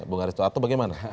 bung haristo atau bagaimana